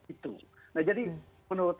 itu jadi menurut